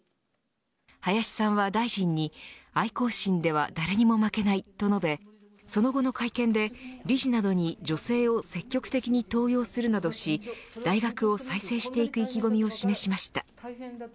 林さんは大臣に愛校心では誰にも負けないと述べその後の会見で、理事などに女性を積極的に登用するなどし大学を再生していく意気込みを示しました。